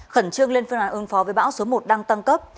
khẩn trương lên phương án ứng phó với bão số một đang tăng cấp